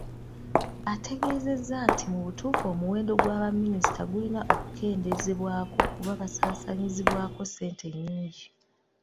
Ategeezezza nti mu butuufu omuwendo gwa baminisita gulina okukendeezebwako kuba basaasaanyizibwako ssente nnyingi.